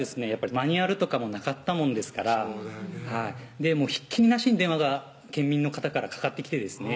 マニュアルとかもなかったもんですからひっきりなしに電話が県民の方からかかってきてですね